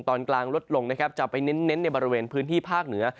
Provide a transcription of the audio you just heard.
ตอนกลางลดลงนะครับจะไปเน้นในบริเวณพื้นที่ภาคเหนือ